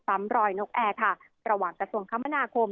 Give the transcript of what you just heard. รอยนกแอร์ค่ะระหว่างกระทรวงคมนาคม